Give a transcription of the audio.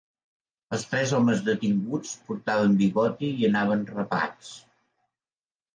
Els tres homes detinguts portaven bigoti i anaven rapats.